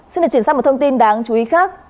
xin được chuyển sang một thông tin đáng chú ý khác